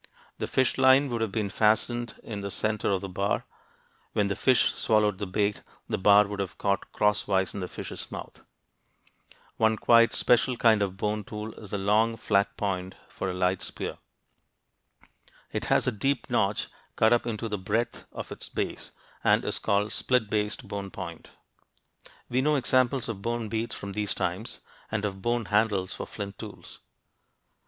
The fish line would have been fastened in the center of the bar; when the fish swallowed the bait, the bar would have caught cross wise in the fish's mouth. One quite special kind of bone tool is a long flat point for a light spear. It has a deep notch cut up into the breadth of its base, and is called a "split based bone point" (p. 82). We know examples of bone beads from these times, and of bone handles for flint tools.